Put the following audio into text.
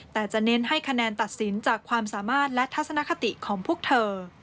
แต่จะเน้นให้คะแนนตัดสินจากความสามารถและทัศนคติของพวกเธอ